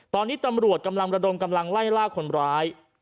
ตอนนี้ตำรวจกำลังระดมกำลังไล่ล่าคนร้าย